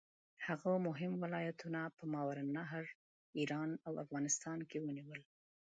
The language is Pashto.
هغه مهم ولایتونه په ماوراالنهر، ایران او افغانستان کې ونیول.